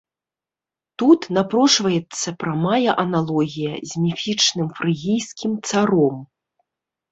Тут напрошваецца прамая аналогія з міфічным фрыгійскім царом.